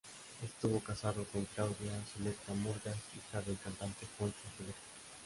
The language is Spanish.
Estuvo casado con Claudia Zuleta Murgas, hija del cantante Poncho Zuleta.